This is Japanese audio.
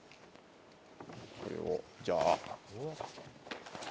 これをじゃあ。